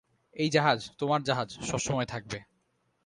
এই জাহাজ, তোমার জাহাজ, সবসময় থাকবে।